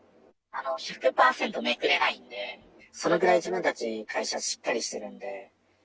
１００％めくれないんで、そのくらい自分たちの会社、しっかりしているんで。